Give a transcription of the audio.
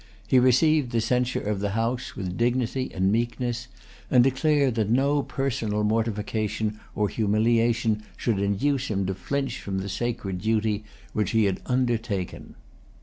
He received the censure of the House with dignity and meekness, and declared that no personal mortification or humiliation should induce him to flinch from the sacred duty which he had undertaken.